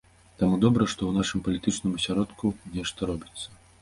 Таму добра, што ў нашым палітычным асяродку нешта робіцца.